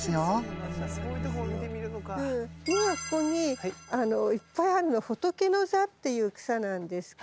今ここにいっぱいあるのホトケノザっていう草なんですけど。